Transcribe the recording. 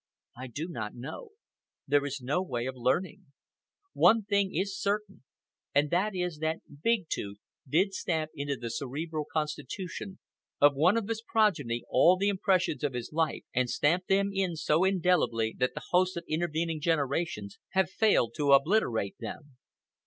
I do not know. There is no way of learning. One thing only is certain, and that is that Big Tooth did stamp into the cerebral constitution of one of his progeny all the impressions of his life, and stamped them in so indelibly that the hosts of intervening generations have failed to obliterate them.